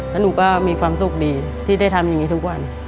แล้วหนูก็มีความสุขดีที่ได้ทำอย่างนี้ทุกวัน